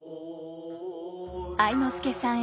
愛之助さん